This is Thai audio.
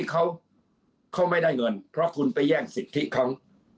เขาไม่ได้เงินเพราะคุณไปแย่งสิทธิเขา